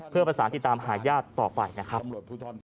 เพื่อประสานติดตามหาญาติต่อไปนะครับ